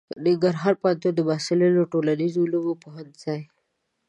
ننګرهار پوهنتون محصلینو د ټولنیزو علومو پوهنځي